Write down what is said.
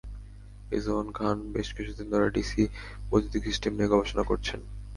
রিজওয়ান খান বেশ কিছুদিন ধরে ডিসি বৈদ্যুতিক সিস্টেম নিয়ে গবেষণা করছেন।